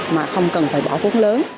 mà không cần phải bỏ vốn lớn